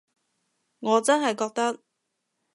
我真係覺得